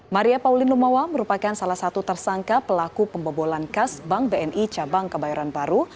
maria pauline lumawa merupakan salah satu tersangka pelaku pembobolan kas bank bni cabang kebayoran baru